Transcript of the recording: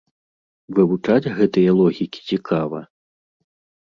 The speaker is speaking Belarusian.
Вывучаць гэтыя логікі цікава.